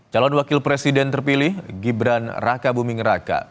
calon wakil presiden terpilih gibran raka buming raka